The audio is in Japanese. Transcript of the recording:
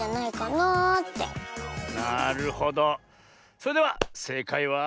それではせいかいは。